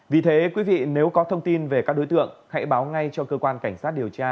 vì thế quý vị nếu có thông tin về các đối tượng hãy báo ngay cho cơ quan cảnh sát điều tra